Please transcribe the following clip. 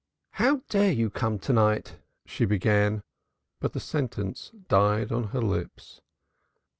"How dare you come to night?" she began, but the sentence died on her lips.